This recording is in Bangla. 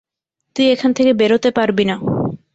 তুই এখান থেকে বেরোতে পারবি না।